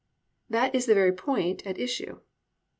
That is the very point at issue.